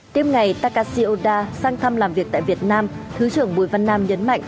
tiếp ngày takashi oda sang thăm làm việc tại việt nam thứ trưởng bùi văn nam nhấn mạnh